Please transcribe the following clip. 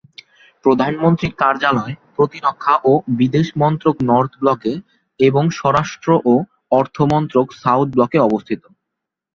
প্রধানমন্ত্রীর কার্যালয়, প্রতিরক্ষা ও বিদেশ মন্ত্রক নর্থ ব্লকে এবং স্বরাষ্ট্র ও অর্থ মন্ত্রক সাউথ ব্লকে অবস্থিত।